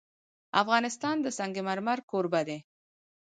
افغانستان د سنگ مرمر کوربه دی.